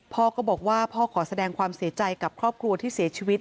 พ่อก็บอกว่าพ่อขอแสดงความเสียใจกับครอบครัวที่เสียชีวิต